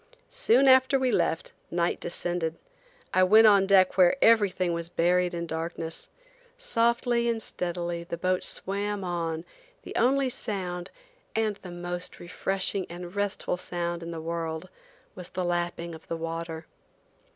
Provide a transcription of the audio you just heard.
Soon after we left, night descended. I went on deck where everything was buried in darkness. Softly and steadily the boat swam on, the only sound–and the most refreshing and restful sound in the world–was the lapping of the water.